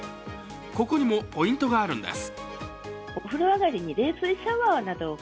ここにもポイントがあるんです。